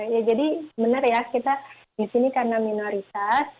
ya jadi benar ya kita disini karena minoritas